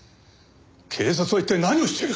警察は一体何をしている！？